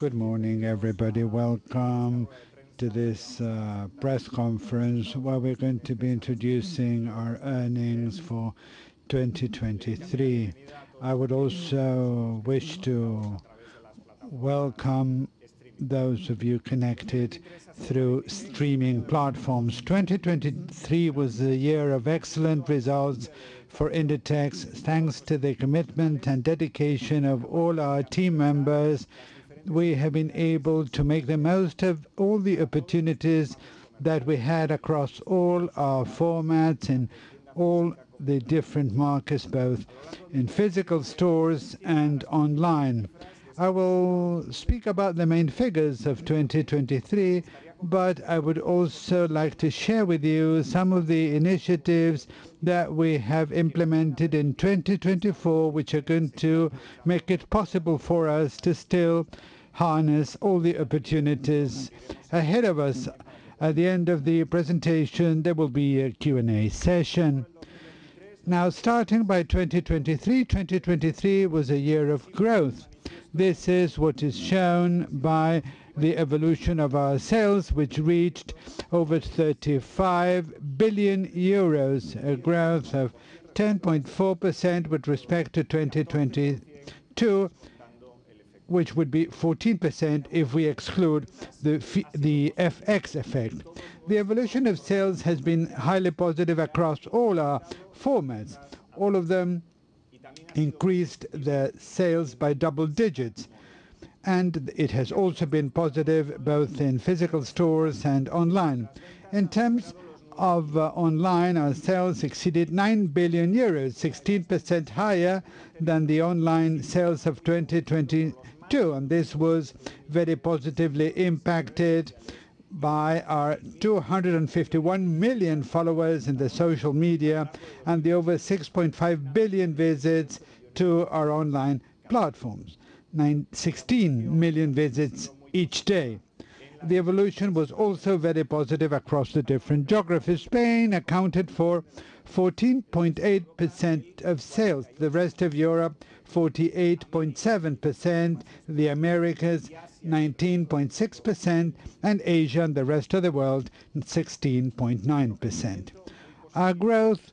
Good morning, everybody. Welcome to this press conference where we're going to be introducing our earnings for 2023. I would also wish to welcome those of you connected through streaming platforms. 2023 was a year of excellent results for Inditex. Thanks to the commitment and dedication of all our team members, we have been able to make the most of all the opportunities that we had across all our formats in all the different markets, both in physical stores and online. I will speak about the main figures of 2023, but I would also like to share with you some of the initiatives that we have implemented in 2024, which are going to make it possible for us to still harness all the opportunities ahead of us. At the end of the presentation, there will be a Q&A session. Now, starting by 2023, 2023 was a year of growth. This is what is shown by the evolution of our sales, which reached over 35 billion euros, a growth of 10.4% with respect to 2022, which would be 14% if we exclude the FX effect. The evolution of sales has been highly positive across all our formats. All of them increased their sales by double digits, and it has also been positive both in physical stores and online. In terms of online, our sales exceeded 9 billion euros, 16% higher than the online sales of 2022, and this was very positively impacted by our 251 million followers in the social media and the over 6.5 billion visits to our online platforms, 16 million visits each day. The evolution was also very positive across the different geographies. Spain accounted for 14.8% of sales, the rest of Europe 48.7%, the Americas 19.6%, and Asia and the rest of the world 16.9%. Our growth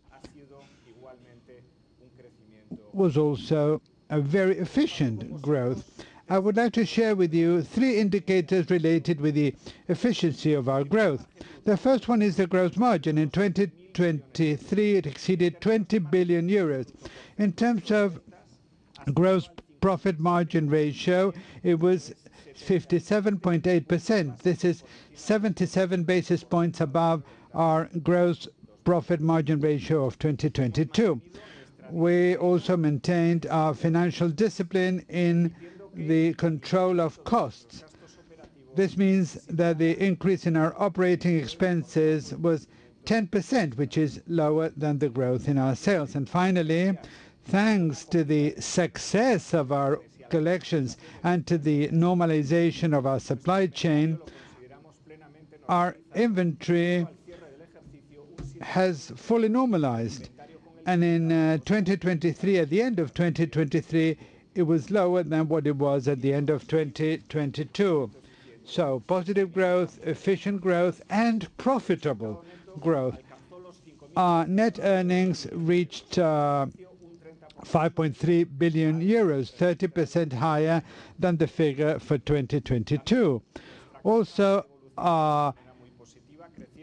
was also a very efficient growth. I would like to share with you three indicators related with the efficiency of our growth. The first one is the gross margin. In 2023, it exceeded 20 billion euros. In terms of gross profit margin ratio, it was 57.8%. This is 77 basis points above our gross profit margin ratio of 2022. We also maintained our financial discipline in the control of costs. This means that the increase in our operating expenses was 10%, which is lower than the growth in our sales. And finally, thanks to the success of our collections and to the normalization of our supply chain, our inventory has fully normalized, and in 2023, at the end of 2023, it was lower than what it was at the end of 2022. So positive growth, efficient growth, and profitable growth. Our net earnings reached 5.3 billion euros, 30% higher than the figure for 2022. Also, our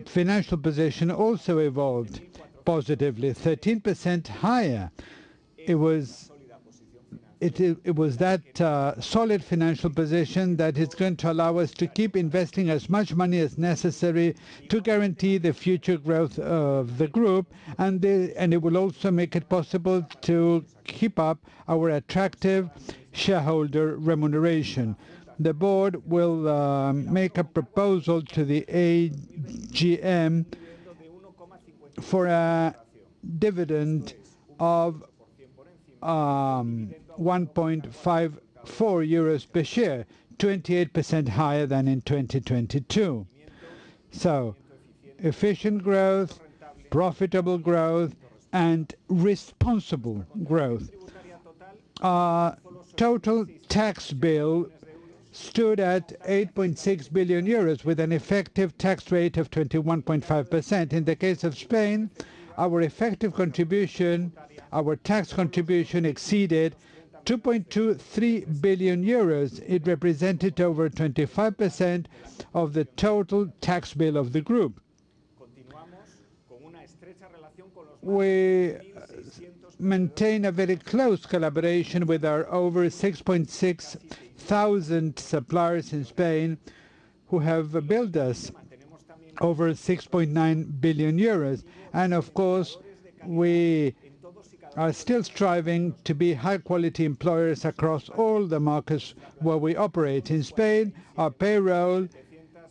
financial position also evolved positively, 13% higher. It was that solid financial position that is going to allow us to keep investing as much money as necessary to guarantee the future growth of the group, and it will also make it possible to keep up our attractive shareholder remuneration. The board will make a proposal to the AGM for a dividend of 1.54 euros per share, 28% higher than in 2022. So efficient growth, profitable growth, and responsible growth. Our total tax bill stood at 8.6 billion euros with an effective tax rate of 21.5%. In the case of Spain, our effective contribution, our tax contribution exceeded 2.23 billion euros. It represented over 25% of the total tax bill of the group. We maintain a very close collaboration with our over 6,600 suppliers in Spain who have billed us over 6.9 billion euros, and of course, we are still striving to be high-quality employers across all the markets where we operate. In Spain, our payroll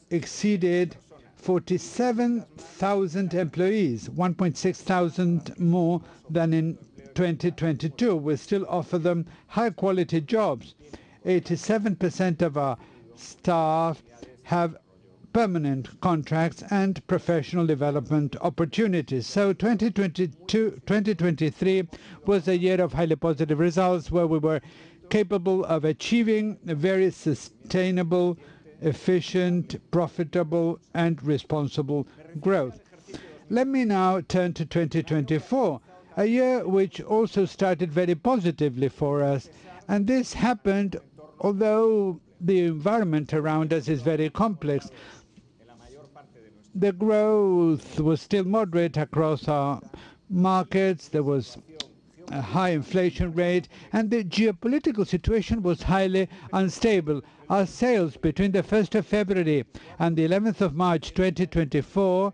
exceeded 47,000 employees, 1,600 more than in 2022. We still offer them high-quality jobs. 87% of our staff have permanent contracts and professional development opportunities. 2023 was a year of highly positive results where we were capable of achieving very sustainable, efficient, profitable, and responsible growth. Let me now turn to 2024, a year which also started very positively for us, and this happened although the environment around us is very complex. The growth was still moderate across our markets. There was a high inflation rate, and the geopolitical situation was highly unstable. Our sales between the 1st of February and the 11th of March 2024,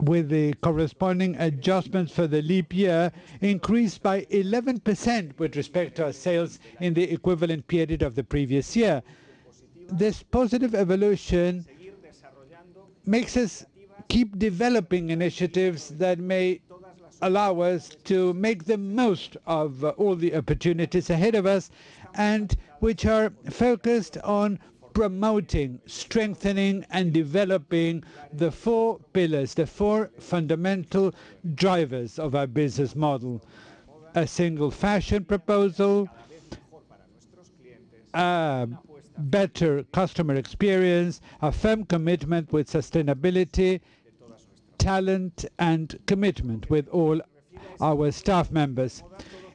with the corresponding adjustments for the leap year, increased by 11% with respect to our sales in the equivalent period of the previous year. This positive evolution makes us keep developing initiatives that may allow us to make the most of all the opportunities ahead of us and which are focused on promoting, strengthening, and developing the four pillars, the four fundamental drivers of our business model: a single-fashion proposal, a better customer experience, a firm commitment with sustainability, talent, and commitment with all our staff members.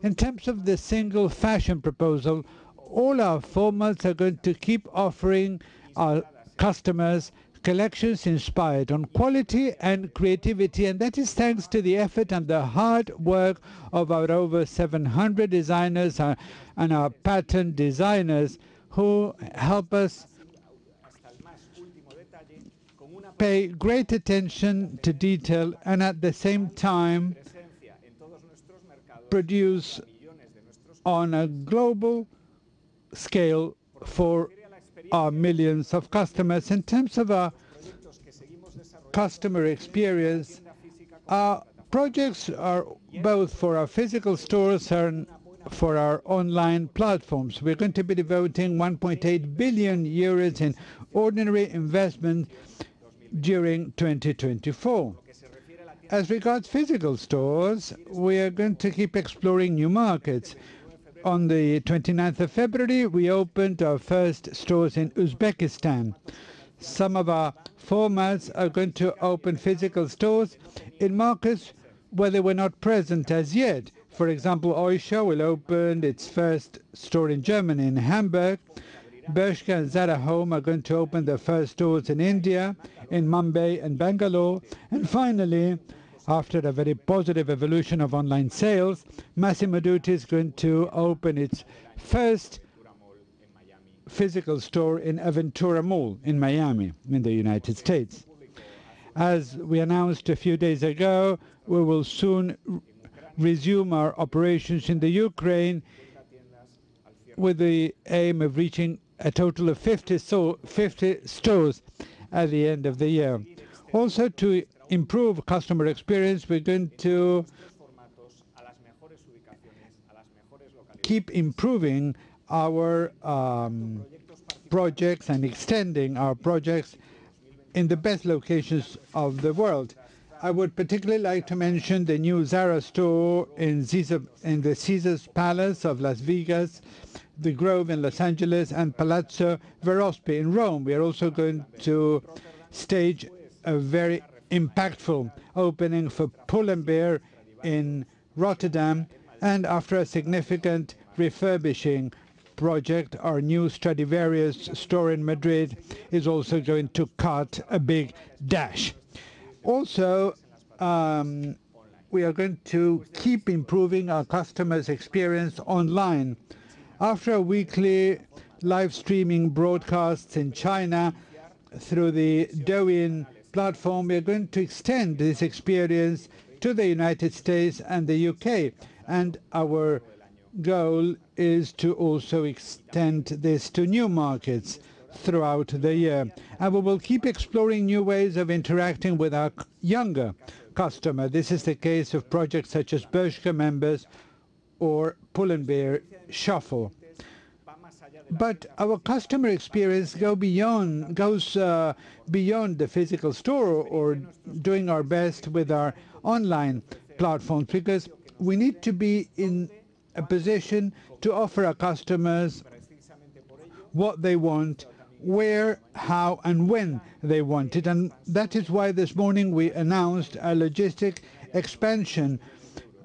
In terms of the single-fashion proposal, all our formats are going to keep offering our customers collections inspired on quality and creativity, and that is thanks to the effort and the hard work of our over 700 designers and our pattern designers who help us pay great attention to detail and, at the same time, produce on a global scale for millions of customers. In terms of our customer experience, our projects are both for our physical stores and for our online platforms. We're going to be devoting 1.8 billion euros in ordinary investment during 2024. As regards to physical stores, we are going to keep exploring new markets. On the 29th of February, we opened our first stores in Uzbekistan. Some of our formats are going to open physical stores in markets where they were not present as yet. For example, Oysho will open its first store in Germany in Hamburg. Bershka and Zara Home are going to open their first stores in India, in Mumbai and Bangalore. Finally, after a very positive evolution of online sales, Massimo Dutti is going to open its first physical store in Aventura Mall in Miami, in the United States. As we announced a few days ago, we will soon resume our operations in Ukraine with the aim of reaching a total of 50 stores at the end of the year. Also, to improve customer experience, we're going to keep improving our projects and extending our projects in the best locations of the world. I would particularly like to mention the new Zara store in the Caesars Palace of Las Vegas, The Grove in Los Angeles, and Palazzo Verospi in Rome. We are also going to stage a very impactful opening for Pull&Bear in Rotterdam, and after a significant refurbishing project, our new Stradivarius store in Madrid is also going to cut a big dash. Also, we are going to keep improving our customers' experience online. After weekly live streaming broadcasts in China through the Douyin platform, we are going to extend this experience to the United States and the U.K., and our goal is to also extend this to new markets throughout the year. We will keep exploring new ways of interacting with our younger customers. This is the case of projects such as Bershka Members or Pull&Bear Shuffle. Our customer experience goes beyond the physical store or doing our best with our online platforms because we need to be in a position to offer our customers what they want, where, how, and when they want it. That is why this morning we announced our logistics expansion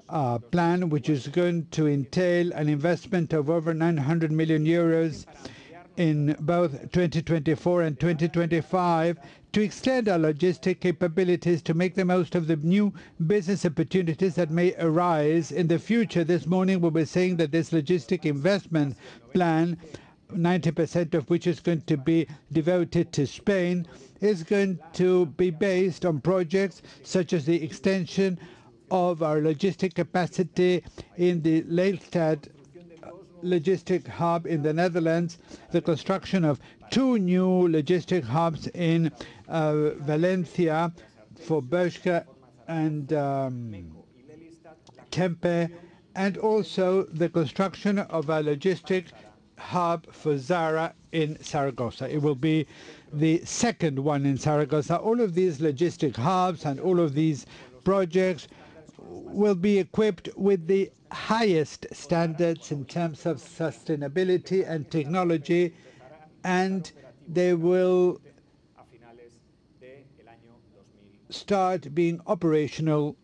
plan, which is going to entail an investment of over 900 million euros in both 2024 and 2025 to extend our logistics capabilities to make the most of the new business opportunities that may arise in the future. This morning, we were saying that this logistics investment plan, 90% of which is going to be devoted to Spain, is going to be based on projects such as the extension of our logistics capacity in the Lelystad logistics hub in the Netherlands, the construction of two new logistics hubs in Valencia for Bershka and Tempe, and also the construction of a logistics hub for Zara in Zaragoza. It will be the second one in Zaragoza. All of these logistic hubs and all of these projects will be equipped with the highest standards in terms of sustainability and technology, and they will start being operational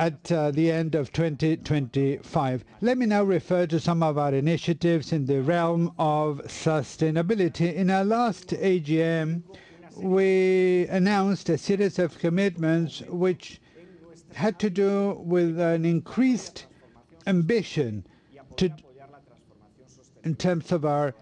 at the end of 2025. Let me now refer to some of our initiatives in the realm of sustainability. In our last AGM, we announced a series of commitments which had to do with an increased ambition in terms of our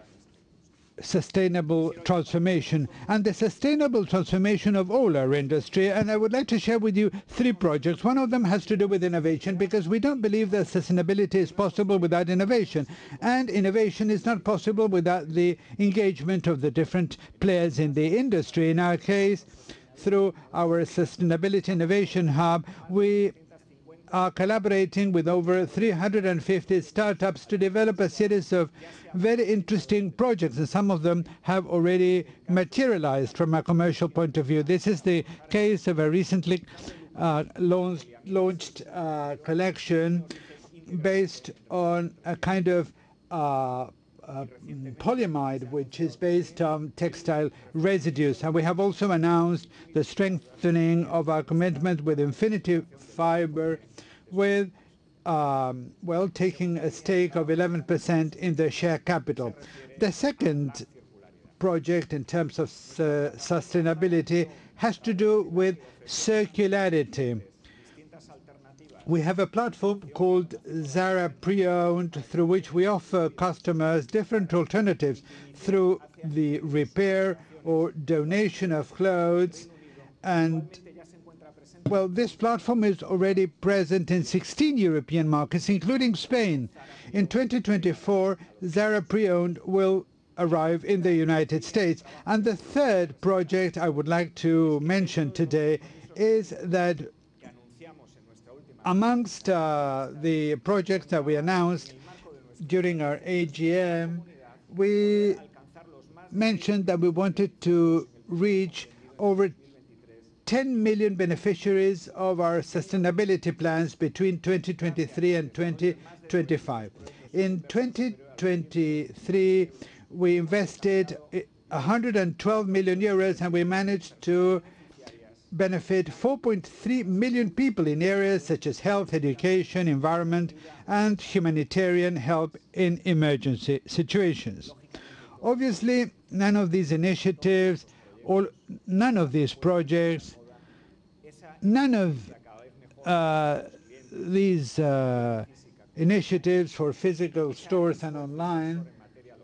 sustainable transformation and the sustainable transformation of all our industry. I would like to share with you three projects. One of them has to do with innovation because we don't believe that sustainability is possible without innovation, and innovation is not possible without the engagement of the different players in the industry. In our case, through our Sustainability Innovation Hub, we are collaborating with over 350 startups to develop a series of very interesting projects, and some of them have already materialized from a commercial point of view. This is the case of a recently launched collection based on a kind of polyamide, which is based on textile residues. And we have also announced the strengthening of our commitment with Infinited Fiber, taking a stake of 11% in their share capital. The second project in terms of sustainability has to do with circularity. We have a platform called Zara Pre-Owned through which we offer customers different alternatives through the repair or donation of clothes. And, well, this platform is already present in 16 European markets, including Spain. In 2024, Zara Pre-Owned will arrive in the United States. The third project I would like to mention today is that amongst the projects that we announced during our AGM, we mentioned that we wanted to reach over 10 million beneficiaries of our sustainability plans between 2023 and 2025. In 2023, we invested 112 million euros, and we managed to benefit 4.3 million people in areas such as health, education, environment, and humanitarian help in emergency situations. Obviously, none of these initiatives, none of these projects, none of these initiatives for physical stores and online,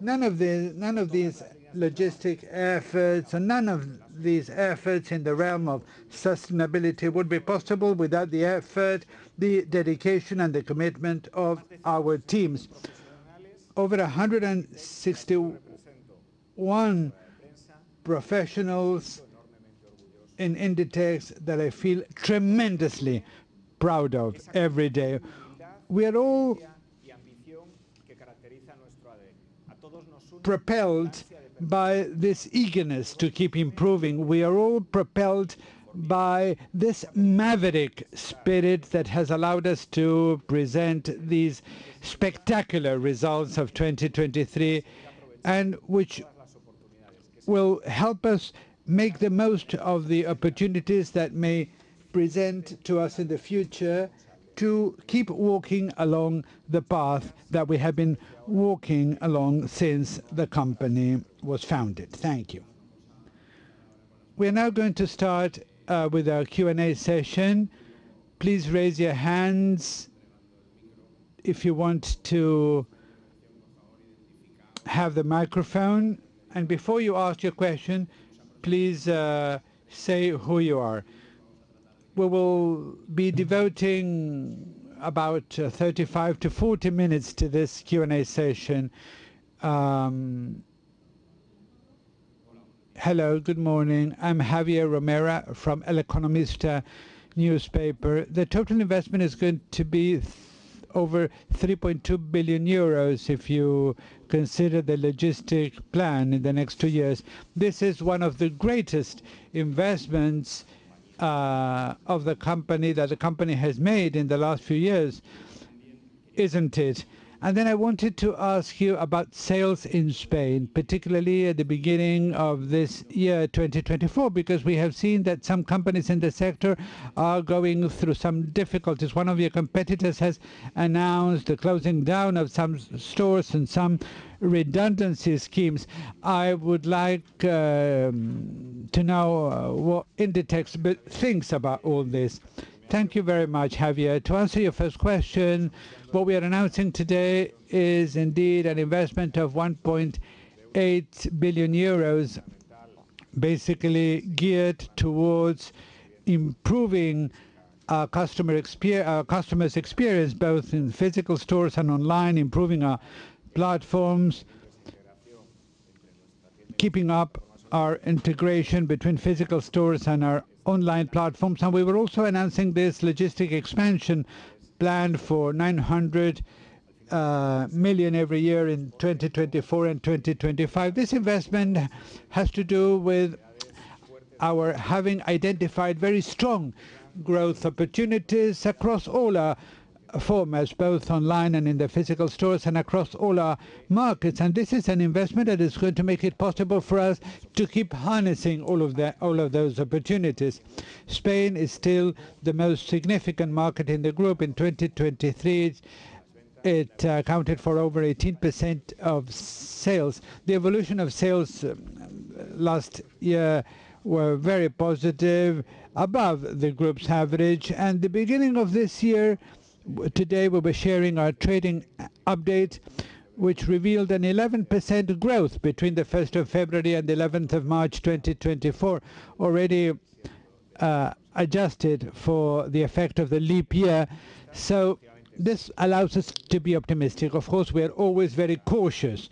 none of these logistic efforts, none of these efforts in the realm of sustainability would be possible without the effort, the dedication, and the commitment of our teams. Over 161 professionals in Inditex that I feel tremendously proud of every day. We are all propelled by this eagerness to keep improving. We are all propelled by this Maverick spirit that has allowed us to present these spectacular results of 2023 and which will help us make the most of the opportunities that may present to us in the future to keep walking along the path that we have been walking along since the company was founded. Thank you. We are now going to start with our Q&A session. Please raise your hands if you want to have the microphone. Before you ask your question, please say who you are. We will be devoting about 35-40 minutes to this Q&A session. Hello. Good morning. I'm Javier Romera from El Economista newspaper. The total investment is going to be over 3.2 billion euros if you consider the logistic plan in the next two years. This is one of the greatest investments of the company that the company has made in the last few years, isn't it? And then I wanted to ask you about sales in Spain, particularly at the beginning of this year, 2024, because we have seen that some companies in the sector are going through some difficulties. One of your competitors has announced the closing down of some stores and some redundancy schemes. I would like to know what Inditex thinks about all this. Thank you very much, Javier. To answer your first question, what we are announcing today is indeed an investment of 1.8 billion euros, basically geared towards improving our customers' experience both in physical stores and online, improving our platforms, keeping up our integration between physical stores and our online platforms. We were also announcing this logistics expansion plan for 900 million every year in 2024 and 2025. This investment has to do with having identified very strong growth opportunities across all our formats, both online and in the physical stores and across all our markets. This is an investment that is going to make it possible for us to keep harnessing all of those opportunities. Spain is still the most significant market in the group. In 2023, it accounted for over 18% of sales. The evolution of sales last year was very positive, above the group's average. The beginning of this year, today, we were sharing our trading update, which revealed an 11% growth between the 1st of February and the 11th of March 2024, already adjusted for the effect of the leap year. So this allows us to be optimistic. Of course, we are always very cautious.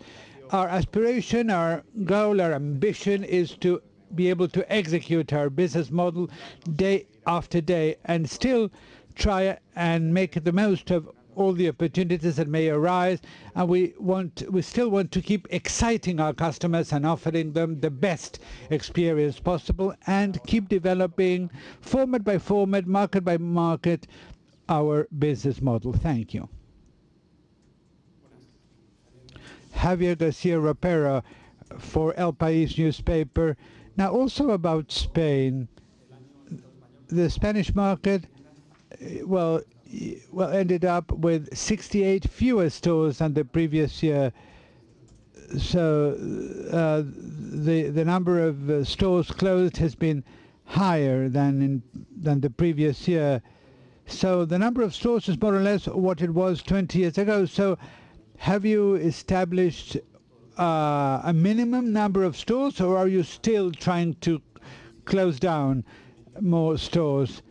Our aspiration, our goal, our ambition is to be able to execute our business model day after day and still try and make the most of all the opportunities that may arise. And we still want to keep exciting our customers and offering them the best experience possible and keep developing format by format, market by market, our business model. Thank you. Javier Garcia Ropero for El PAIS newspaper. Now, also about Spain. The Spanish market, well, ended up with 68 fewer stores than the previous year. So the number of stores closed has been higher than the previous year. So the number of stores is more or less what it was 20 years ago. So have you established a minimum number of stores, or are you still trying to close down more stores?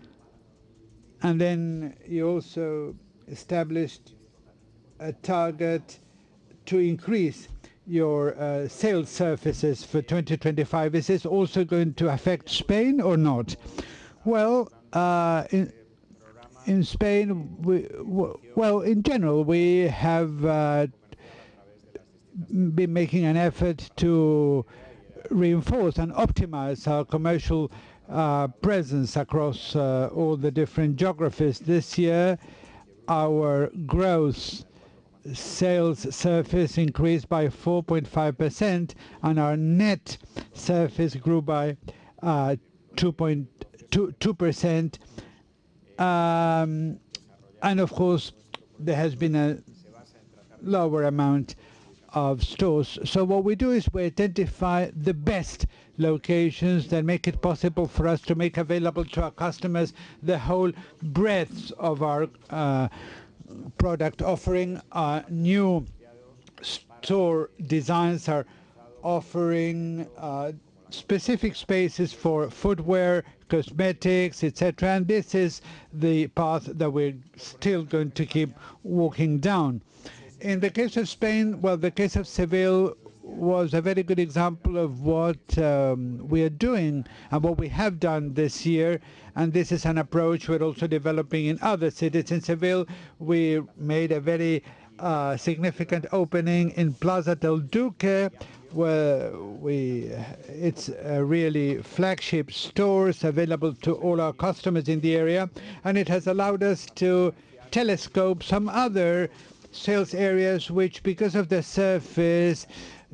Then you also established a target to increase your sales surfaces for 2025. Is this also going to affect Spain or not? Well, in general, we have been making an effort to reinforce and optimize our commercial presence across all the different geographies. This year, our gross sales surface increased by 4.5%, and our net surface grew by 2.2%. Of course, there has been a lower amount of stores. So what we do is we identify the best locations that make it possible for us to make available to our customers the whole breadth of our product offering. New store designs are offering specific spaces for footwear, cosmetics, etc. And this is the path that we're still going to keep walking down. In the case of Spain, well, the case of Seville was a very good example of what we are doing and what we have done this year. This is an approach we're also developing in other cities. In Seville, we made a very significant opening in Plaza del Duque. It's really flagship stores available to all our customers in the area. It has allowed us to telescope some other sales areas which, because of the surface,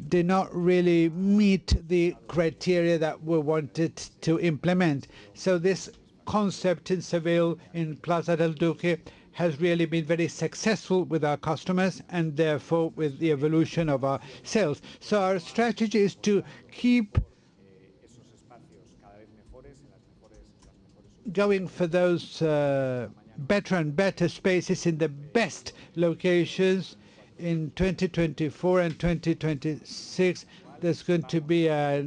did not really meet the criteria that we wanted to implement. This concept in Seville, in Plaza del Duque, has really been very successful with our customers and, therefore, with the evolution of our sales. Our strategy is to keep going for those better and better spaces in the best locations. In 2024 and 2026, there's going to be a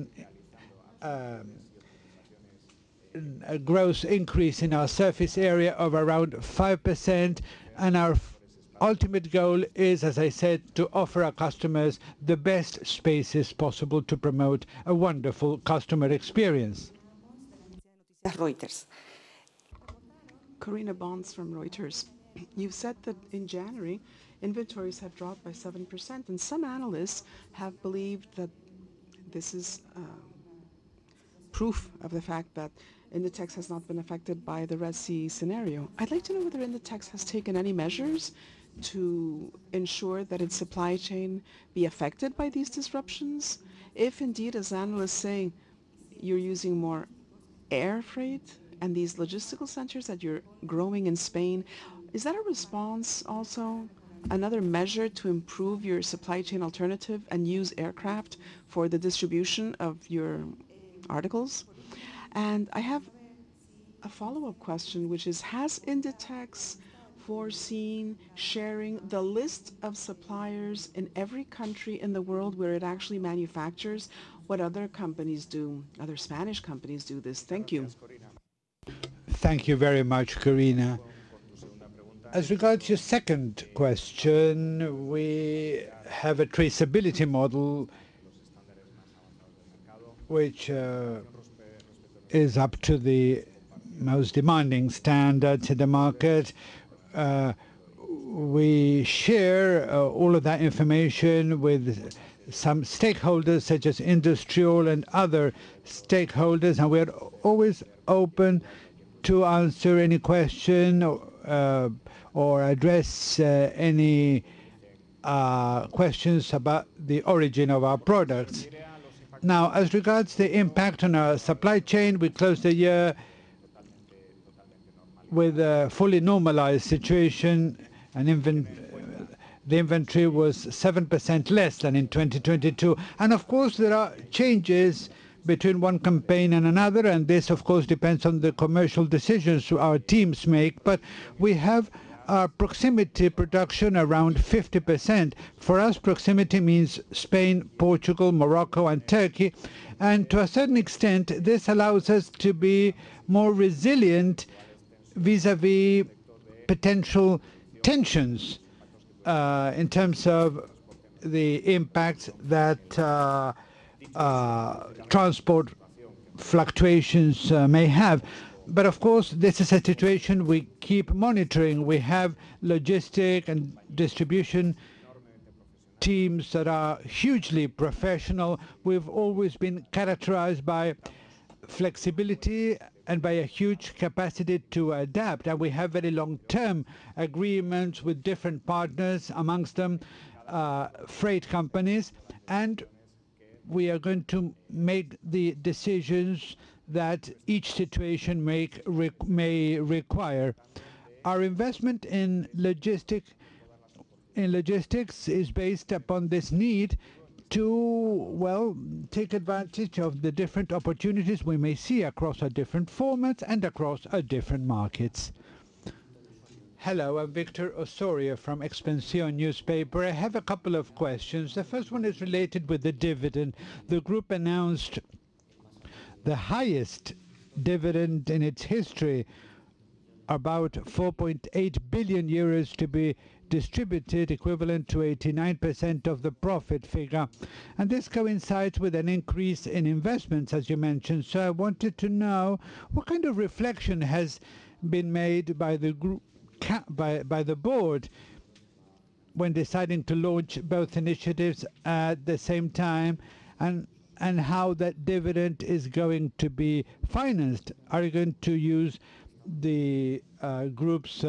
gross increase in our surface area of around 5%. Our ultimate goal is, as I said, to offer our customers the best spaces possible to promote a wonderful customer experience. Corina Pons from Reuters. You've said that in January, inventories have dropped by 7%, and some analysts have believed that this is proof of the fact that Inditex has not been affected by the Red Sea scenario. I'd like to know whether Inditex has taken any measures to ensure that its supply chain be affected by these disruptions. If indeed, as analysts say, you're using more air freight and these logistical centers that you're growing in Spain, is that a response also, another measure to improve your supply chain alternative and use aircraft for the distribution of your articles? And I have a follow-up question, which is, has Inditex foreseen sharing the list of suppliers in every country in the world where it actually manufactures? What other companies do? Other Spanish companies do this. Thank you. Thank you very much, Corina. As regards your second question, we have a traceability model which is up to the most demanding standard in the market. We share all of that information with some stakeholders such as industrial and other stakeholders, and we are always open to answer any question or address any questions about the origin of our products. Now, as regards the impact on our supply chain, we closed the year with a fully normalized situation. The inventory was 7% less than in 2022. And, of course, there are changes between one campaign and another, and this, of course, depends on the commercial decisions our teams make. But we have our proximity production around 50%. For us, proximity means Spain, Portugal, Morocco, and Turkey. To a certain extent, this allows us to be more resilient vis-à-vis potential tensions in terms of the impacts that transport fluctuations may have. But, of course, this is a situation we keep monitoring. We have logistics and distribution teams that are hugely professional. We've always been characterized by flexibility and by a huge capacity to adapt. And we have very long-term agreements with different partners, amongst them freight companies. And we are going to make the decisions that each situation may require. Our investment in logistics is based upon this need to, well, take advantage of the different opportunities we may see across our different formats and across our different markets. Hello. I'm Victor Osorio from Expansión newspaper. I have a couple of questions. The first one is related with the dividend. The group announced the highest dividend in its history, about 4.8 billion euros to be distributed, equivalent to 89% of the profit figure. This coincides with an increase in investments, as you mentioned. I wanted to know what kind of reflection has been made by the board when deciding to launch both initiatives at the same time and how that dividend is going to be financed. Are you going to use the group's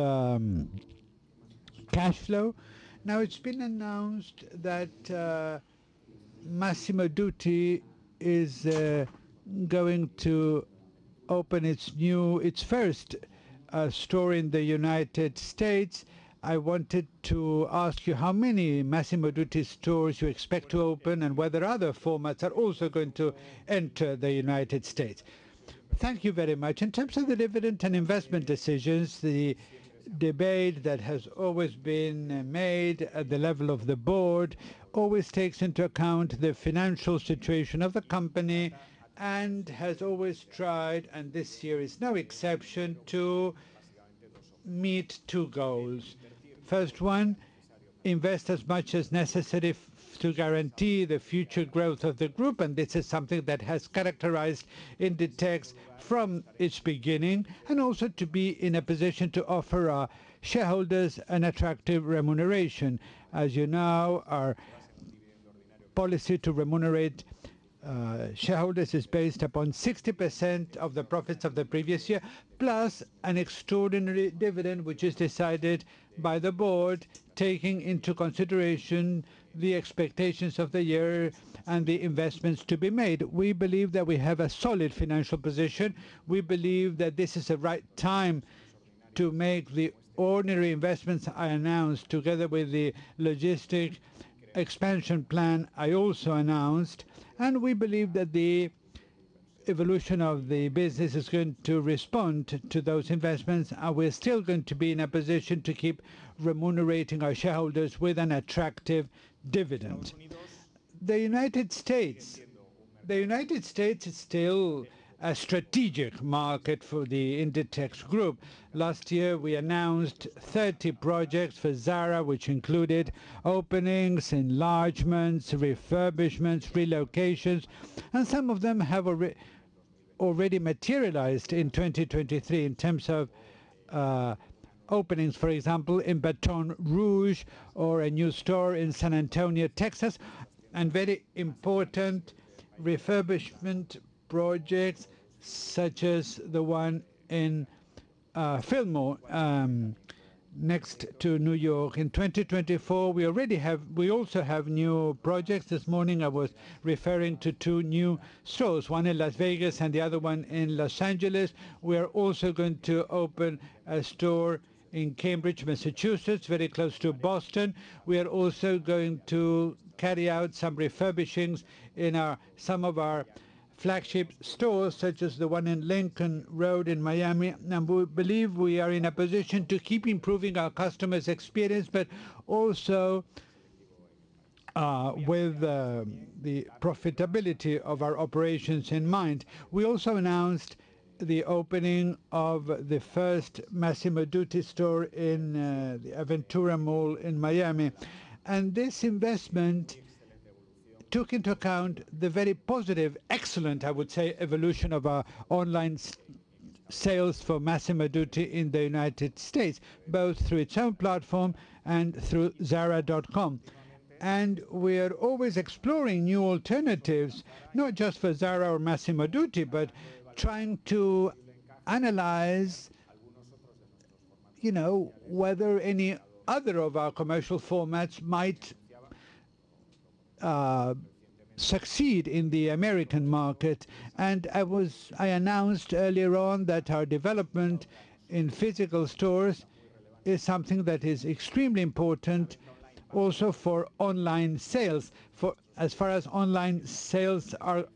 cash flow? Now, it's been announced that Massimo Dutti is going to open its first store in the United States. I wanted to ask you how many Massimo Dutti stores you expect to open and whether other formats are also going to enter the United States. Thank you very much. In terms of the dividend and investment decisions, the debate that has always been made at the level of the board always takes into account the financial situation of the company and has always tried, and this year is no exception, to meet two goals. First one, invest as much as necessary to guarantee the future growth of the group, and this is something that has characterized Inditex from its beginning, and also to be in a position to offer our shareholders an attractive remuneration. As you know, our policy to remunerate shareholders is based upon 60% of the profits of the previous year plus an extraordinary dividend, which is decided by the board taking into consideration the expectations of the year and the investments to be made. We believe that we have a solid financial position. We believe that this is the right time to make the ordinary investments I announced together with the logistic expansion plan I also announced. And we believe that the evolution of the business is going to respond to those investments, and we're still going to be in a position to keep remunerating our shareholders with an attractive dividend. The United States is still a strategic market for the Inditex group. Last year, we announced 30 projects for Zara, which included openings, enlargements, refurbishments, relocations. And some of them have already materialized in 2023 in terms of openings, for example, in Baton Rouge or a new store in San Antonio, Texas, and very important refurbishment projects such as the one in Fillmore next to New York. In 2024, we also have new projects. This morning, I was referring to two new stores. One in Las Vegas and the other one in Los Angeles. We are also going to open a store in Cambridge, Massachusetts, very close to Boston. We are also going to carry out some refurbishments in some of our flagship stores such as the one in Lincoln Road in Miami. We believe we are in a position to keep improving our customers' experience, but also with the profitability of our operations in mind. We also announced the opening of the first Massimo Dutti store in the Aventura Mall in Miami. This investment took into account the very positive, excellent, I would say, evolution of our online sales for Massimo Dutti in the United States, both through its own platform and through zara.com. We are always exploring new alternatives, not just for Zara or Massimo Dutti, but trying to analyze whether any other of our commercial formats might succeed in the American market. I announced earlier on that our development in physical stores is something that is extremely important also for online sales. As far as online sales are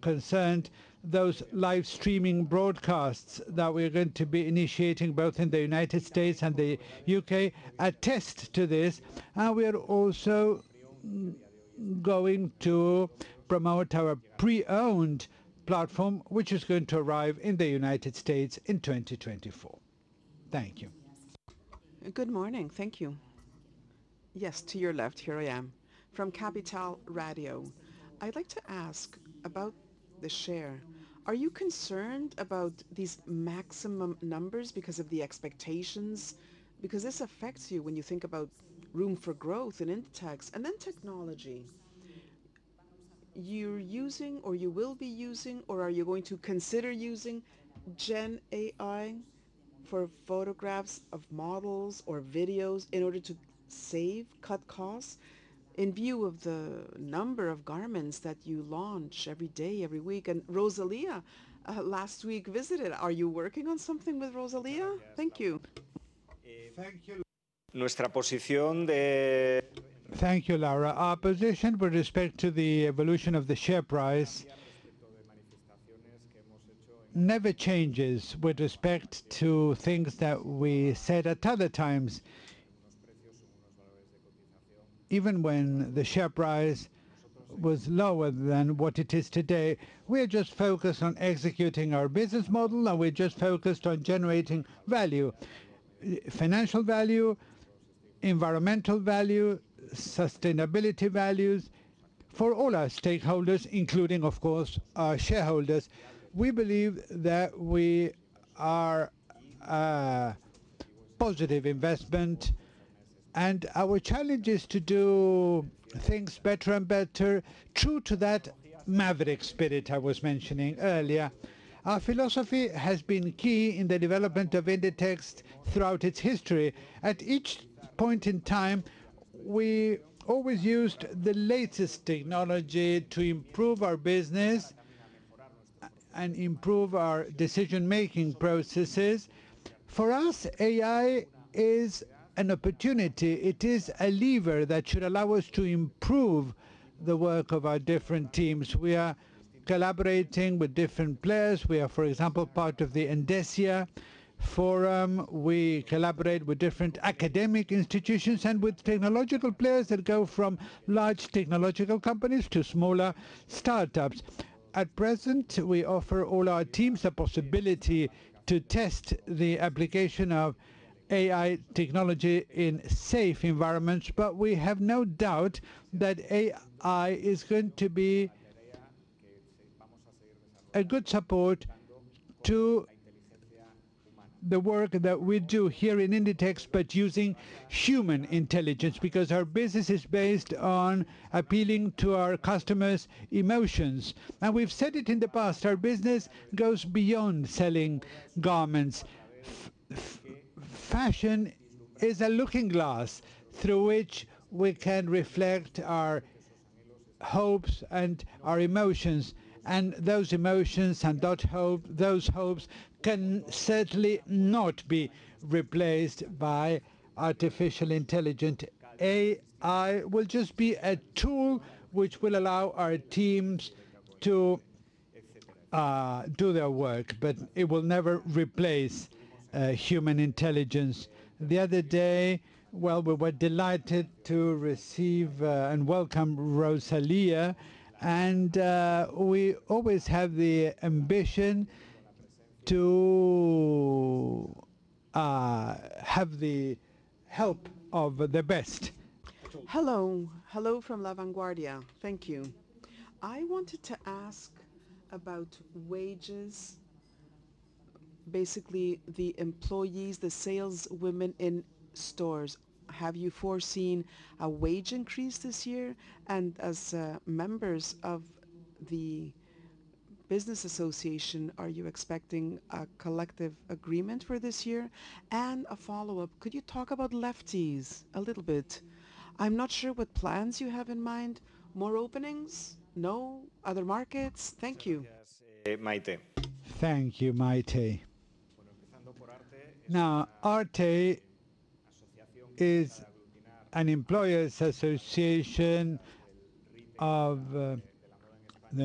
concerned, those live streaming broadcasts that we're going to be initiating both in the United States and the U.K. attest to this. We are also going to promote our pre-owned platform, which is going to arrive in the United States in 2024. Thank you. Good morning. Thank you. Yes, to your left, here I am from Capital Radio. I'd like to ask about the share. Are you concerned about these maximum numbers because of the expectations? Because this affects you when you think about room for growth in Inditex and then technology. You're using or you will be using or are you going to consider using GenAI for photographs of models or videos in order to save cut costs in view of the number of garments that you launch every day, every week? And Rosalía last week visited. Are you working on something with Rosalía? Thank you. Thank you, Lara. Our position with respect to the evolution of the share price never changes with respect to things that we said at other times. Even when the share price was lower than what it is today, we are just focused on executing our business model, and we're just focused on generating value: financial value, environmental value, sustainability values. For all our stakeholders, including, of course, our shareholders, we believe that we are a positive investment. Our challenge is to do things better and better true to that Maverick spirit I was mentioning earlier. Our philosophy has been key in the development of Inditex throughout its history. At each point in time, we always used the latest technology to improve our business and improve our decision-making processes. For us, AI is an opportunity. It is a lever that should allow us to improve the work of our different teams. We are collaborating with different players. We are, for example, part of the IndesIA Forum. We collaborate with different academic institutions and with technological players that go from large technological companies to smaller startups. At present, we offer all our teams the possibility to test the application of AI technology in safe environments. But we have no doubt that AI is going to be a good support to the work that we do here in Inditex, but using human intelligence because our business is based on appealing to our customers' emotions. And we've said it in the past, our business goes beyond selling garments. Fashion is a looking glass through which we can reflect our hopes and our emotions. And those emotions and those hopes can certainly not be replaced by artificial intelligence. AI will just be a tool which will allow our teams to do their work, but it will never replace human intelligence. The other day, well, we were delighted to receive and welcome Rosalía. And we always have the ambition to have the help of the best. Hello. Hello from La Vanguardia. Thank you. I wanted to ask about wages, basically the employees, the saleswomen in stores. Have you foreseen a wage increase this year? And as members of the business association, are you expecting a collective agreement for this year? And a follow-up, could you talk about Lefties a little bit? I'm not sure what plans you have in mind. More openings? No? Other markets? Thank you. Now, ARTE is the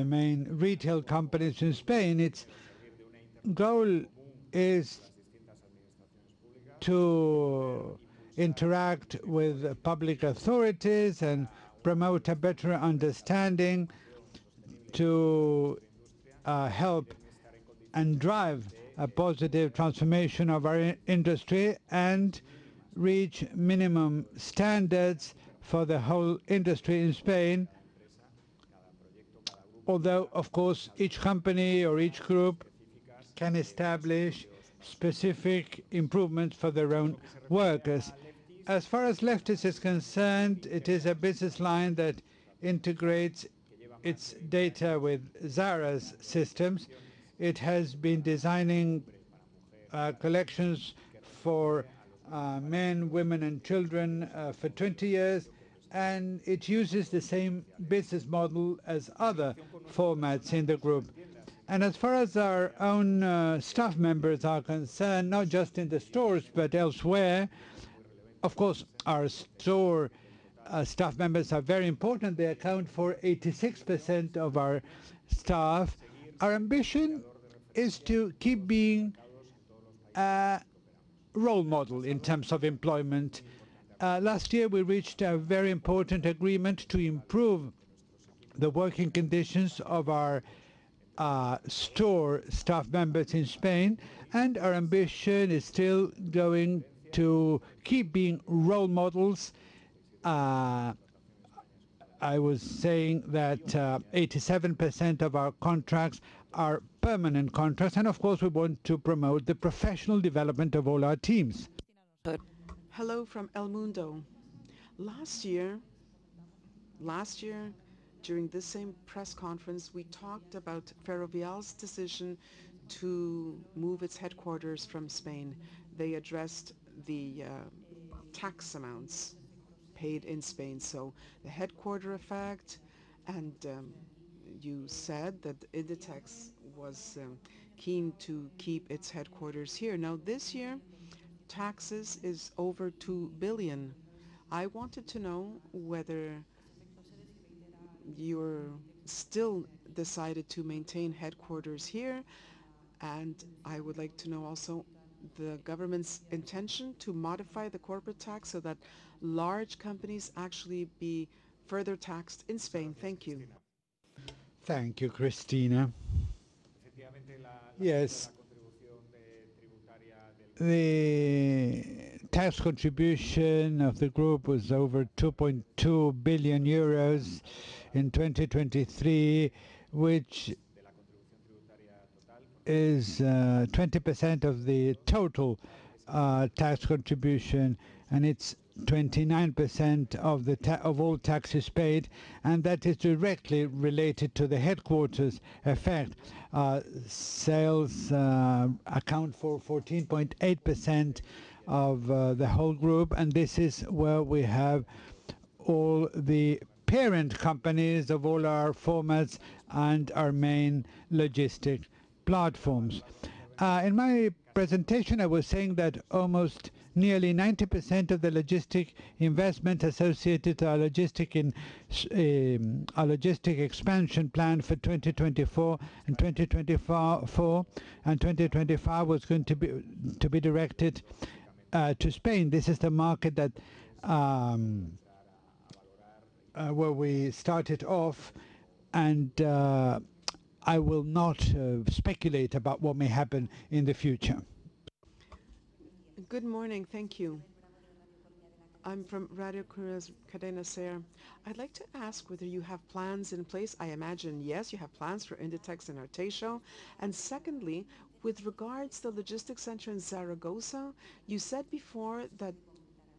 main retail company in Spain. Its goal is to interact with public authorities and promote a better understanding to help and drive a positive transformation of our industry and reach minimum standards for the whole industry in Spain, although, of course, each company or each group can establish specific improvements for their own workers. As far as Lefties is concerned, it is a business line that integrates its data with Zara's systems. It has been designing collections for men, women, and children for 20 years. It uses the same business model as other formats in the group. As far as our own staff members are concerned, not just in the stores but elsewhere, of course, our store staff members are very important. They account for 86% of our staff. Our ambition is to keep being a role model in terms of employment. Last year, we reached a very important agreement to improve the working conditions of our store staff members in Spain. Our ambition is still going to keep being role models. I was saying that 87% of our contracts are permanent contracts. Of course, we want to promote the professional development of all our teams. Hello from EL MUNDO. Last year, during this same press conference, we talked about Ferrovial's decision to move its headquarters from Spain. They addressed the tax amounts paid in Spain. So the headquarters effect. And you said that Inditex was keen to keep its headquarters here. Now, this year, taxes are over 2 billion. I wanted to know whether you still decided to maintain headquarters here. And I would like to know also the government's intention to modify the corporate tax so that large companies actually be further taxed in Spain. Thank you. Thank you, Cristina. Yes. The tax contribution of the group was over 2.2 billion euros in 2023, which is 20% of the total tax contribution. And it's 29% of all taxes paid. And that is directly related to the headquarters effect. Sales account for 14.8% of the whole group. And this is where we have all the parent companies of all our formats and our main logistic platforms. In my presentation, I was saying that almost nearly 90% of the logistic investment associated to our logistic expansion plan for 2024 and 2025 was going to be directed to Spain. This is the market where we started off. I will not speculate about what may happen in the future. Good morning. Thank you. I'm from Radio Cruz, Cadena SER. I'd like to ask whether you have plans in place. I imagine, yes, you have plans for Inditex and Arteixo. And secondly, with regards to the logistics center in Zaragoza, you said before that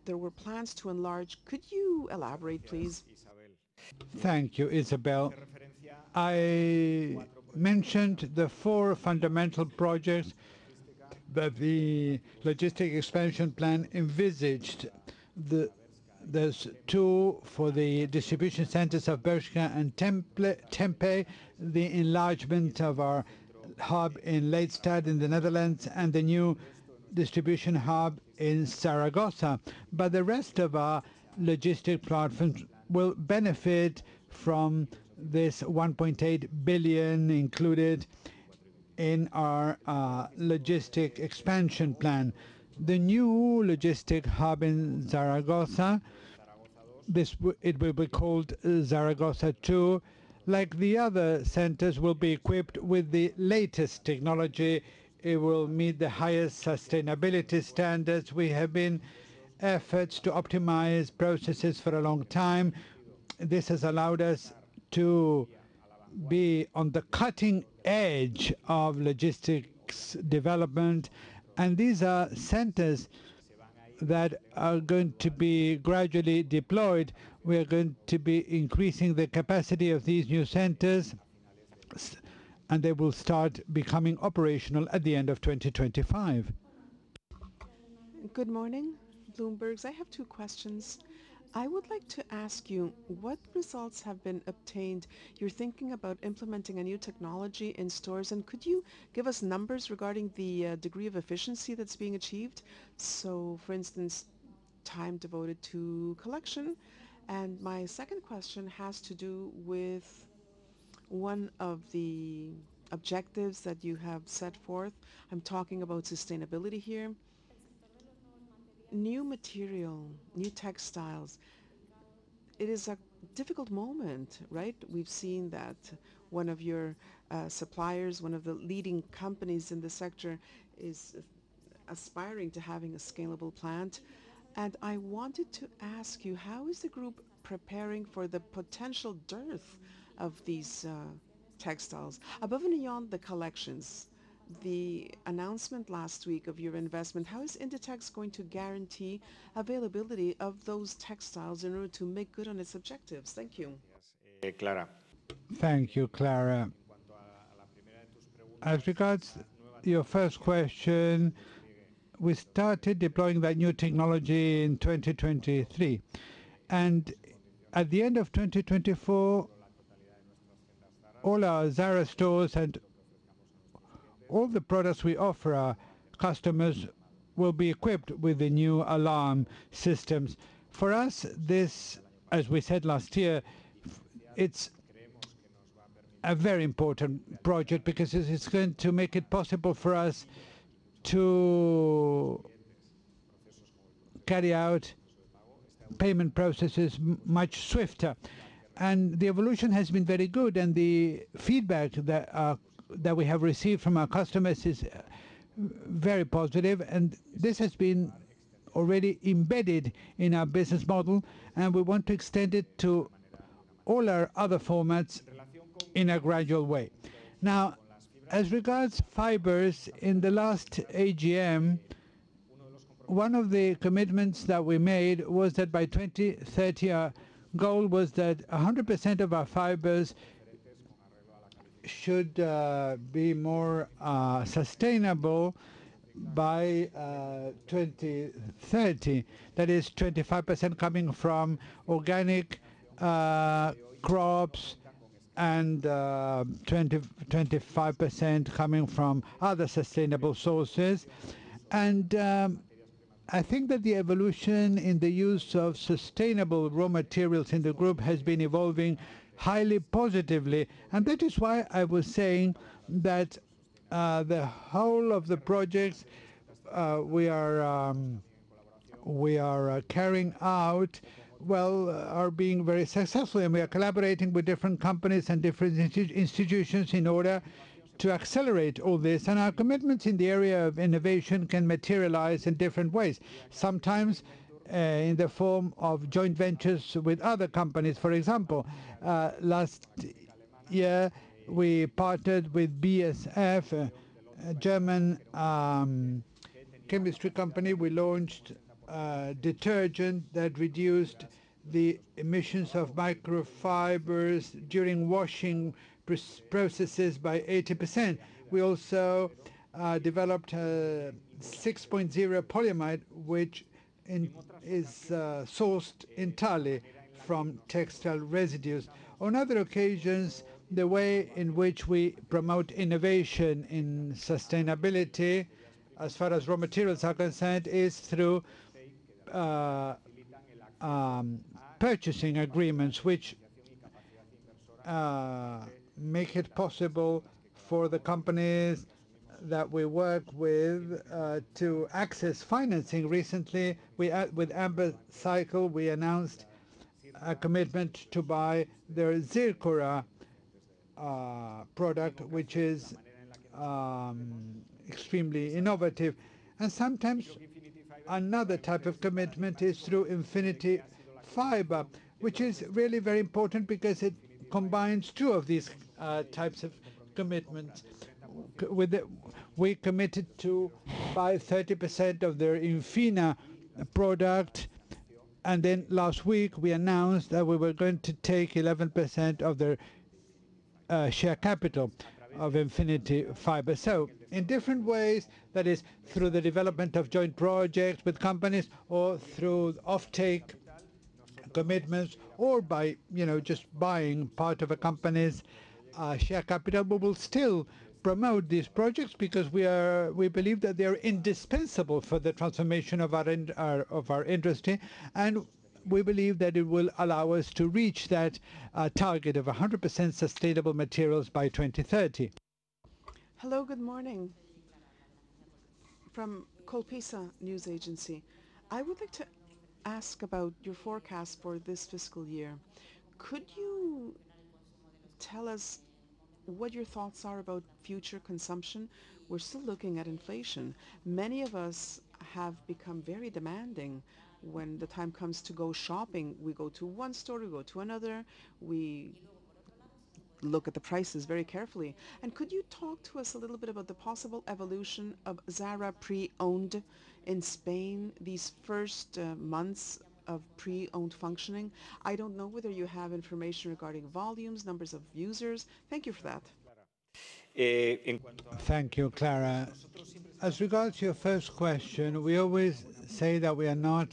there were plans to enlarge. Could you elaborate, please? Thank you, Isabel. I mentioned the four fundamental projects that the logistic expansion plan envisioned. There's two for the distribution centers of Bershka and Tempe, the enlargement of our hub in Lelystad in the Netherlands and the new distribution hub in Zaragoza. But the rest of our logistics platforms will benefit from this 1.8 billion included in our logistics expansion plan. The new logistics hub in Zaragoza, it will be called Zaragoza 2. Like the other centers, it will be equipped with the latest technology. It will meet the highest sustainability standards. We have made efforts to optimize processes for a long time. This has allowed us to be on the cutting edge of logistics development. These are centers that are going to be gradually deployed. We are going to be increasing the capacity of these new centers. They will start becoming operational at the end of 2025. Good morning, Bloomberg's. I have two questions. I would like to ask you, what results have been obtained? You're thinking about implementing a new technology in stores. And could you give us numbers regarding the degree of efficiency that's being achieved? So, for instance, time devoted to collection. And my second question has to do with one of the objectives that you have set forth. I'm talking about sustainability here. New material, new textiles. It is a difficult moment, right? We've seen that one of your suppliers, one of the leading companies in the sector, is aspiring to having a scalable plant. And I wanted to ask you, how is the group preparing for the potential dearth of these textiles? Above and beyond the collections, the announcement last week of your investment, how is Inditex going to guarantee availability of those textiles in order to make good on its objectives? Thank you. Clara. Thank you, Clara. As regards to your first question, we started deploying that new technology in 2023. At the end of 2024, all our Zara stores and all the products we offer our customers will be equipped with the new alarm systems. For us, this, as we said last year, it's a very important project because it's going to make it possible for us to carry out payment processes much swifter. The evolution has been very good. The feedback that we have received from our customers is very positive. This has been already embedded in our business model. We want to extend it to all our other formats in a gradual way. Now, as regards to fibers, in the last AGM, one of the commitments that we made was that by 2030, our goal was that 100% of our fibers should be more sustainable by 2030. That is, 25% coming from organic crops and 25% coming from other sustainable sources. I think that the evolution in the use of sustainable raw materials in the group has been evolving highly positively. That is why I was saying that the whole of the projects we are carrying out, well, are being very successful. We are collaborating with different companies and different institutions in order to accelerate all this. Our commitments in the area of innovation can materialize in different ways, sometimes in the form of joint ventures with other companies. For example, last year, we partnered with BSF, a German chemistry company. We launched a detergent that reduced the emissions of microfibers during washing processes by 80%. We also developed 6.0 polyamide, which is sourced entirely from textile residues. On other occasions, the way in which we promote innovation in sustainability, as far as raw materials are concerned, is through purchasing agreements, which make it possible for the companies that we work with to access financing. Recently, with Ambercycle, we announced a commitment to buy their cycora product, which is extremely innovative. And sometimes, another type of commitment is through Infinited Fiber, which is really very important because it combines two of these types of commitments. We committed to buy 30% of their Infinna product. And then last week, we announced that we were going to take 11% of their share capital of Infinited Fiber. So in different ways, that is, through the development of joint projects with companies or through offtake commitments or by just buying part of a company's share capital, we will still promote these projects because we believe that they are indispensable for the transformation of our industry. We believe that it will allow us to reach that target of 100% sustainable materials by 2030. Hello, good morning. From Colpisa News Agency, I would like to ask about your forecast for this fiscal year. Could you tell us what your thoughts are about future consumption? We're still looking at inflation. Many of us have become very demanding. When the time comes to go shopping, we go to one store. We go to another. We look at the prices very carefully. Could you talk to us a little bit about the possible evolution of Zara Pre-Owned in Spain, these first months of Pre-Owned functioning? I don't know whether you have information regarding volumes, numbers of users. Thank you for that. Thank you, Clara. As regards to your first question, we always say that we are not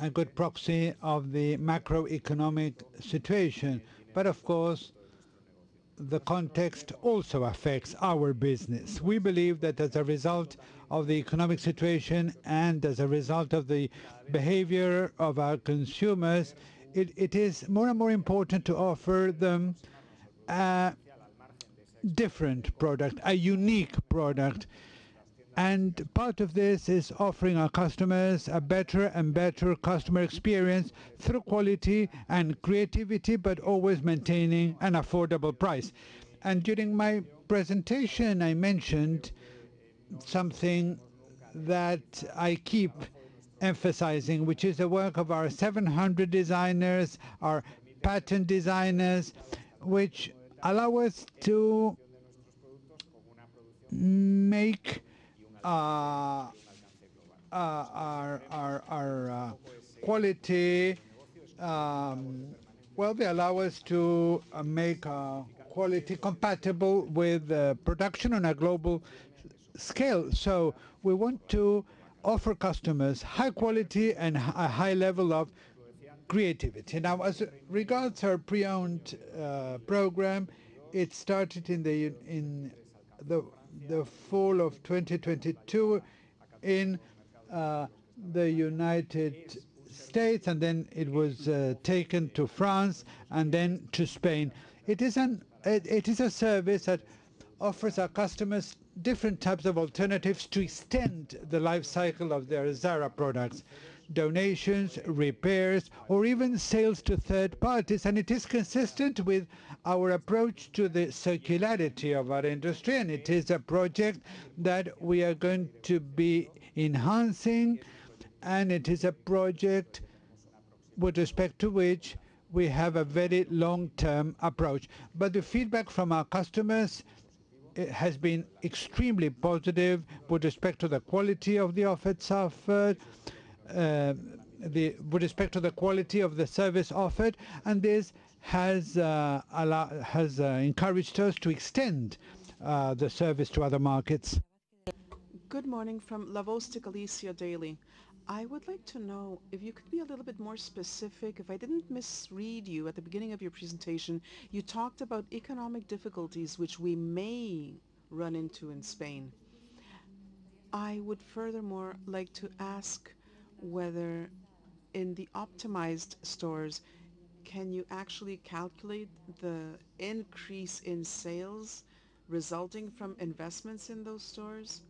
a good proxy of the macroeconomic situation. But, of course, the context also affects our business. We believe that as a result of the economic situation and as a result of the behavior of our consumers, it is more and more important to offer them a different product, a unique product. And part of this is offering our customers a better and better customer experience through quality and creativity, but always maintaining an affordable price. During my presentation, I mentioned something that I keep emphasizing, which is the work of our 700 designers, our patent designers, which allow us to make our quality well. They allow us to make quality compatible with production on a global scale. So we want to offer customers high quality and a high level of creativity. Now, as regards to our pre-owned program, it started in the fall of 2022 in the United States. Then it was taken to France and then to Spain. It is a service that offers our customers different types of alternatives to extend the lifecycle of their Zara products: donations, repairs, or even sales to third parties. It is consistent with our approach to the circularity of our industry. It is a project that we are going to be enhancing. It is a project with respect to which we have a very long-term approach. The feedback from our customers has been extremely positive with respect to the quality of the offered software, with respect to the quality of the service offered. This has encouraged us to extend the service to other markets. Good morning from La Voz de Galicia Daily. I would like to know if you could be a little bit more specific. If I didn't misread you at the beginning of your presentation, you talked about economic difficulties, which we may run into in Spain. I would furthermore like to ask whether, in the optimized stores, can you actually calculate the increase in sales resulting from investments in those stores?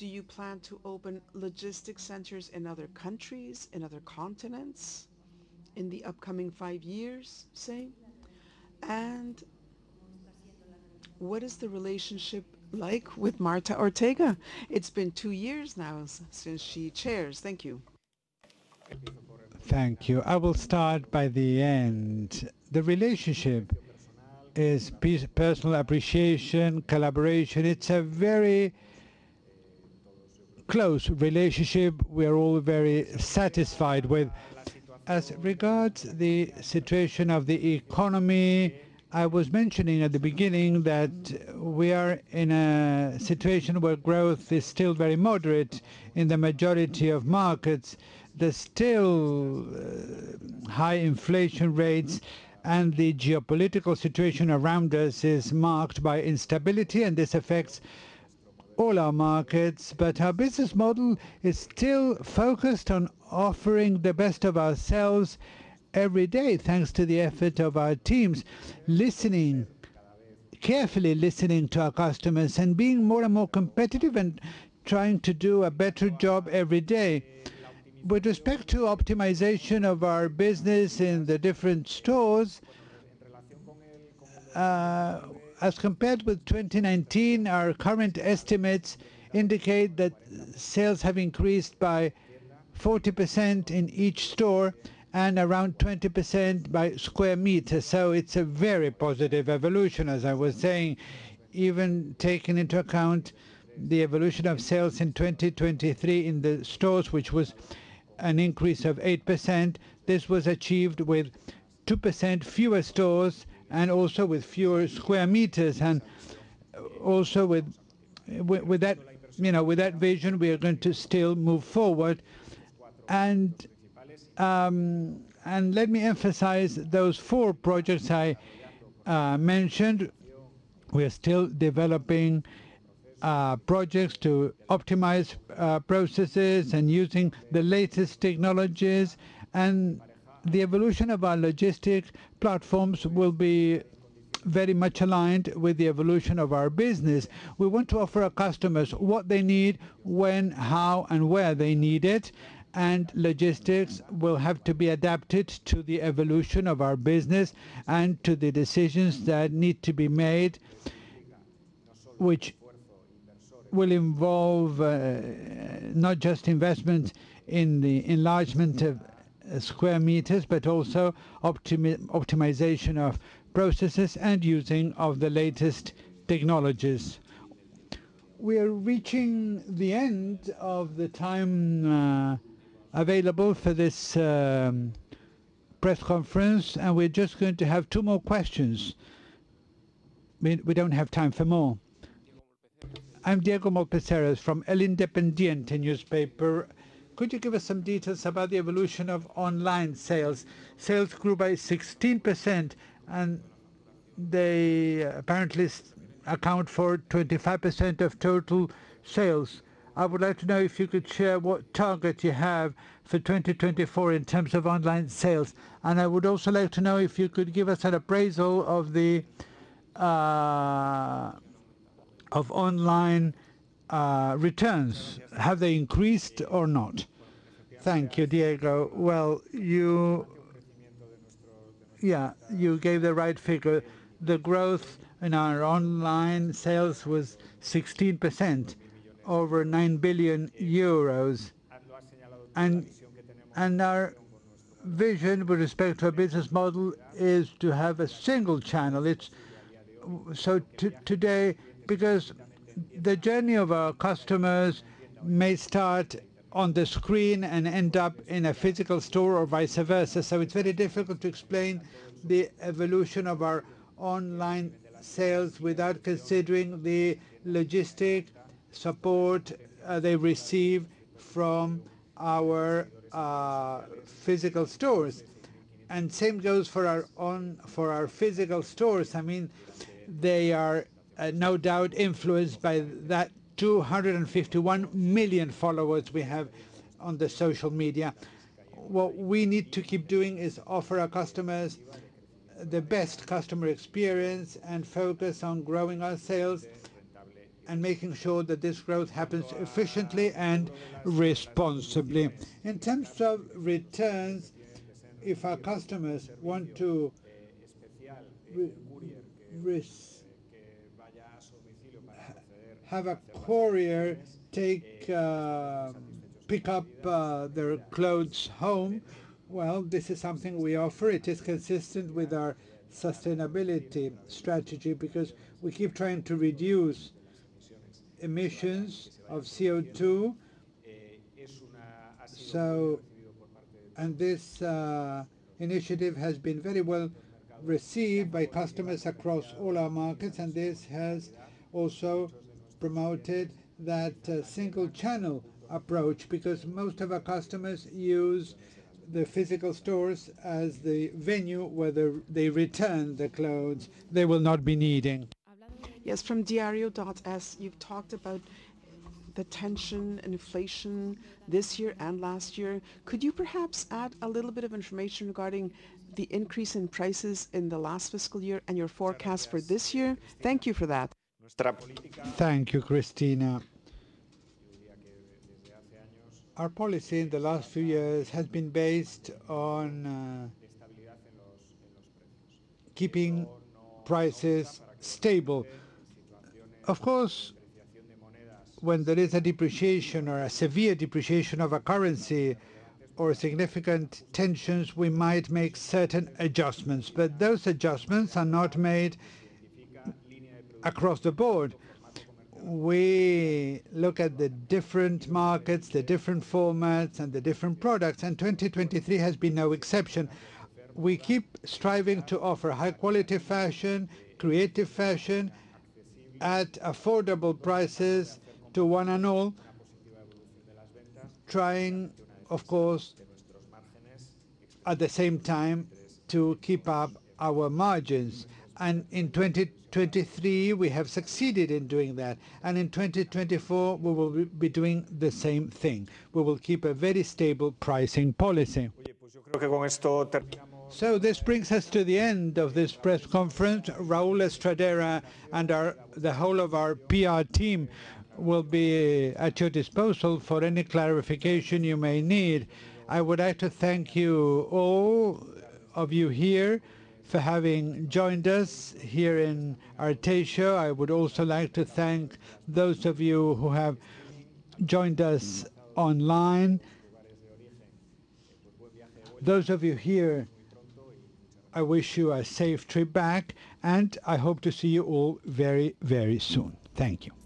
Do you plan to open logistics centers in other countries, in other continents, in the upcoming five years, say? What is the relationship like with Marta Ortega? It's been two years now since she chairs. Thank you. Thank you. I will start by the end. The relationship is personal appreciation, collaboration. It's a very close relationship. We are all very satisfied with. As regards to the situation of the economy, I was mentioning at the beginning that we are in a situation where growth is still very moderate in the majority of markets. There's still high inflation rates. And the geopolitical situation around us is marked by instability. And this affects all our markets. But our business model is still focused on offering the best of ourselves every day, thanks to the effort of our teams, carefully listening to our customers and being more and more competitive and trying to do a better job every day. With respect to optimization of our business in the different stores, as compared with 2019, our current estimates indicate that sales have increased by 40% in each store and around 20% by square meter. So it's a very positive evolution, as I was saying, even taking into account the evolution of sales in 2023 in the stores, which was an increase of 8%. This was achieved with 2% fewer stores and also with fewer square meters. And also, with that vision, we are going to still move forward. And let me emphasize those four projects I mentioned. We are still developing projects to optimize processes and using the latest technologies. And the evolution of our logistics platforms will be very much aligned with the evolution of our business. We want to offer our customers what they need, when, how, and where they need it. Logistics will have to be adapted to the evolution of our business and to the decisions that need to be made, which will involve not just investments in the enlargement of square meters, but also optimization of processes and using of the latest technologies. We are reaching the end of the time available for this press conference. We're just going to have two more questions. We don't have time for more. I'm Diego Molpeceres from El Independiente newspaper. Could you give us some details about the evolution of online sales? Sales grew by 16%. And they apparently account for 25% of total sales. I would like to know if you could share what target you have for 2024 in terms of online sales. And I would also like to know if you could give us an appraisal of online returns. Have they increased or not? Thank you, Diego. Well, yeah, you gave the right figure. The growth in our online sales was 16% over 9 billion euros. Our vision with respect to our business model is to have a single channel. So today, because the journey of our customers may start on the screen and end up in a physical store or vice versa. So it's very difficult to explain the evolution of our online sales without considering the logistic support they receive from our physical stores. And same goes for our physical stores. I mean, they are no doubt influenced by that 251 million followers we have on the social media. What we need to keep doing is offer our customers the best customer experience and focus on growing our sales and making sure that this growth happens efficiently and responsibly. In terms of returns, if our customers want to have a courier pick up their clothes home, well, this is something we offer. It is consistent with our sustainability strategy because we keep trying to reduce emissions of CO2. This initiative has been very well received by customers across all our markets. This has also promoted that single channel approach because most of our customers use the physical stores as the venue where they return the clothes they will not be needing. Yes, from elDiario.es, you've talked about the tension and inflation this year and last year. Could you perhaps add a little bit of information regarding the increase in prices in the last fiscal year and your forecast for this year? Thank you for that. Thank you, Cristina. Our policy in the last few years has been based on keeping prices stable. Of course, when there is a depreciation or a severe depreciation of a currency or significant tensions, we might make certain adjustments. But those adjustments are not made across the board. We look at the different markets, the different formats, and the different products. And 2023 has been no exception. We keep striving to offer high-quality fashion, creative fashion at affordable prices to one and all, trying, of course, at the same time, to keep up our margins. And in 2023, we have succeeded in doing that. And in 2024, we will be doing the same thing. We will keep a very stable pricing policy. So this brings us to the end of this press conference. Raúl Estradera and the whole of our PR team will be at your disposal for any clarification you may need. I would like to thank you all of you here for having joined us here in Arteixo. I would also like to thank those of you who have joined us online. Those of you here, I wish you a safe trip back. And I hope to see you all very, very soon. Thank you.